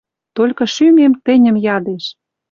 Толькы шӱмем тӹньӹм ядеш